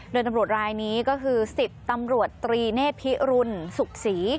เดินตำรวจลายนี้ก็คือสิทธิ์ตำรวจตรีเนธพิรุนสุขศรี